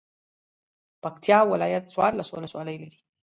پکتیا ولایت څوارلس ولسوالۍ لري.